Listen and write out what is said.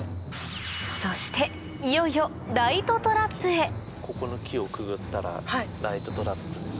そしていよいよライトトラップへここの木をくぐったらライトトラップです。